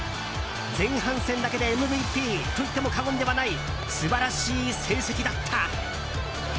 前半戦だけでＭＶＰと言っても過言ではない素晴らしい成績だった。